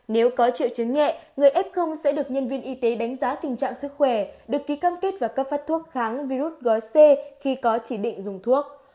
nếu có triệu chứng nhẹ người f sẽ được nhân viên y tế đánh giá tình trạng sức khỏe được ký cam kết và cấp phát thuốc kháng virus gói c khi có chỉ định dùng thuốc